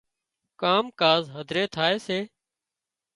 ڪام ڪاز هڌري ٿائي سي